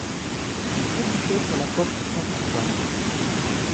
Elle débouchait sur la Porte Saint-Antoine.